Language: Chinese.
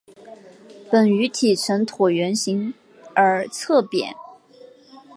本鱼体呈椭圆形而侧扁。